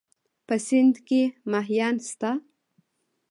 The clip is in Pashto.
په سيند کې مهيان شته؟